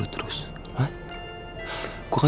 lu mau ke depan karin